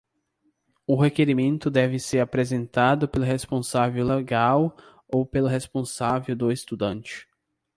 O requerimento deve ser apresentado pelo responsável legal ou pelo responsável do estudante.